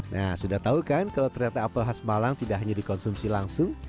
nah sudah tahu kan kalau ternyata apel khas malang tidak hanya dikonsumsi langsung